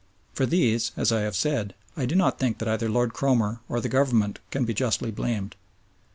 For these, as I have said, I do not think that either Lord Cromer or the Government can be justly blamed.